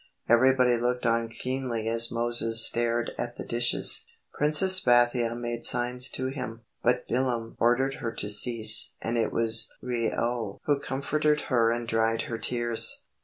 Everybody looked on keenly as Moses stared at the dishes. Princess Bathia made signs to him, but Bilam ordered her to cease and it was Reuel who comforted her and dried her tears.